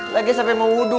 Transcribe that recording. lagi sampe mau wudhu